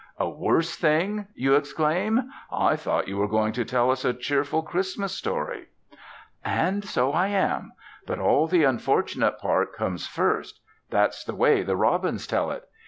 "A worse thing!" you exclaim. "I thought you were going to tell us a cheerful Christmas story." And so I am: but all the unfortunate part comes first that's the way the robins tell it.